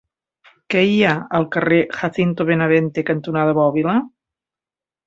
Què hi ha al carrer Jacinto Benavente cantonada Bòbila?